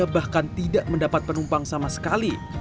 bahkan tidak mendapat penumpang sama sekali